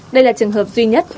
đây là trường hợp duy nhất